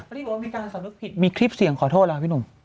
พี่บอกว่ามีการสนุกผิดมีคลิปเสี่ยงขอโทษแล้วพี่หนุ่ม